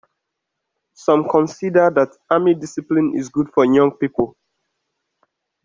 Some consider that army discipline is good for young people.